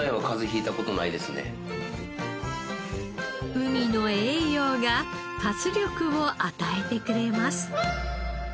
海の栄養が活力を与えてくれます。